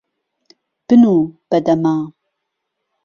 بنوو بە دەما.